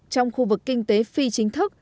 trong khu vực kinh tế phi chính thức